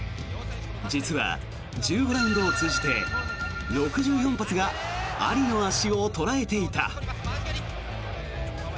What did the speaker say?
実は、１５ラウンドを通じて６４発がアリの足を捉えていた。